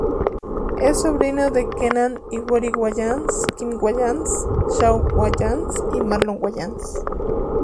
Es sobrino de Keenan Ivory Wayans, Kim Wayans, Shawn Wayans y Marlon Wayans.